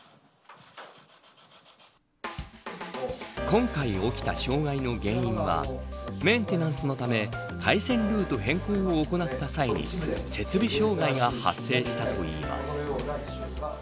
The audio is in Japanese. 今回起きた障害の原因はメンテナンスのため回線ルート変更を行った際に設備障害が発生したといいます。